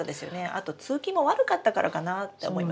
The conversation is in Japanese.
あと通気も悪かったからかなって思いますけどね。